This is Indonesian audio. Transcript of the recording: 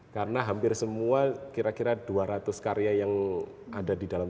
karena hampir semua kira kira dua ratus karya yang ada di dalam sebuah buku yang sudah dikirimkan